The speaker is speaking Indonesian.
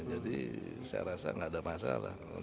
jadi saya rasa enggak ada masalah